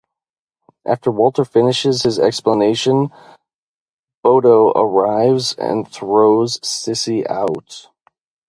After Walter finishes his explanation, Bodo arrives and throws Sissi out.